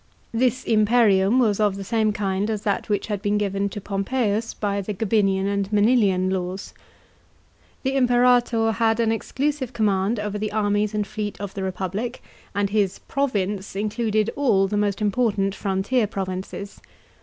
This imperium was of the same kind as that which had been given to Pompeius by the Gabinian and Manilian laws. The Imperator had an exclusive command over the armies and fleet of the republic, and his " province " included all the most important frontier provinces.